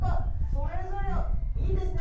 それぞれいいですね